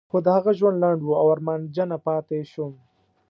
خو د هغه ژوند لنډ و او ارمانجنه پاتې شوم.